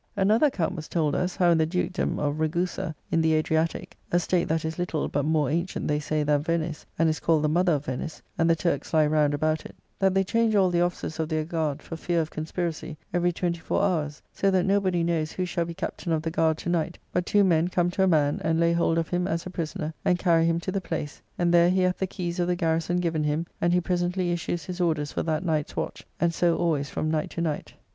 Another account was told us, how in the Dukedom of Ragusa, in the Adriatique (a State that is little, but more ancient, they say, than Venice, and is called the mother of Venice, and the Turks lie round about it), that they change all the officers of their guard, for fear of conspiracy, every twenty four hours, so that nobody knows who shall be captain of the guard to night; but two men come to a man, and lay hold of him as a prisoner, and carry him to the place; and there he hath the keys of the garrison given him, and he presently issues his orders for that night's watch: and so always from night to night.